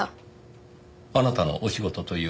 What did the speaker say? あなたのお仕事というのは？